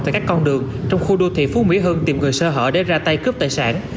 tại các con đường trong khu đô thị phú mỹ hưng tìm người sơ hở để ra tay cướp tài sản